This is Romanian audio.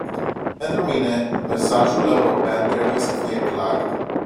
Pentru mine, mesajul european trebuie să fie clar.